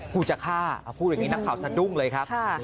กูจะฆ่าพูดอย่างนี้นักข่าวสะดุ้งเลยครับ